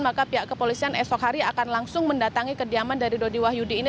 maka pihak kepolisian esok hari akan langsung mendatangi kediaman dari dodi wahyudi ini